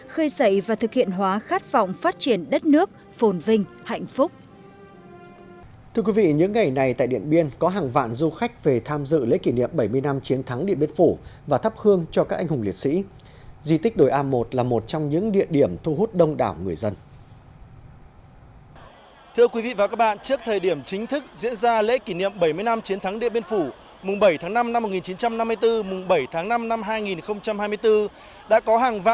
khơi dậy và thực hiện hóa khát vọng phát triển đất nước phồn vinh hạnh phúc